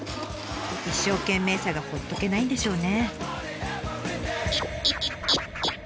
一生懸命さがほっとけないんでしょうね。